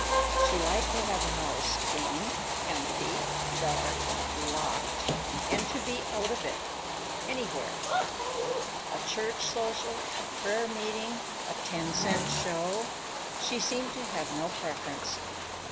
She liked to have her house clean, empty, dark, locked, and to be out of it—anywhere. A church social, a prayer meeting, a ten cent show; she seemed to have no preference.